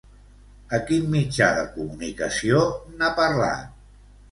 A quin mitjà de comunicació n'ha parlat?